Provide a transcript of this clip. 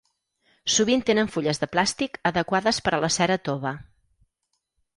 Sovint tenen fulles de plàstic adequades per a la cera tova.